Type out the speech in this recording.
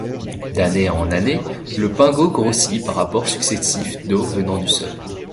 D'années en années, le pingo grossit par apport successif d'eau venant du sol.